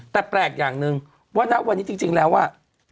แต่แปลกอย่างหนึ่งว่าณวันนี้จริงแล้วอ่ะ